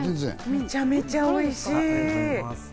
めちゃめちゃおいしい！